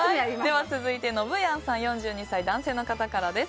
続いて４２歳男性の方からです。